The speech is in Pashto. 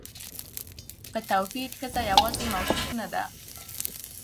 په توپير ښځه يواځې موصوف نه ده